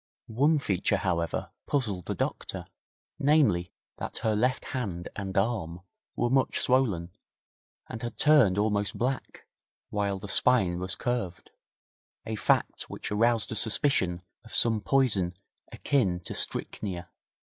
One feature, however, puzzled the doctor namely, that her left hand and arm were much swollen, and had turned almost black, while the spine was curved a fact which aroused a suspicion of some poison akin to strychnia.